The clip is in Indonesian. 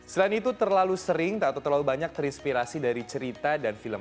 selain itu terlalu sering atau terlalu banyak terinspirasi dari cerita dan film